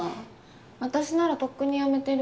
私ならとっくに辞めてる。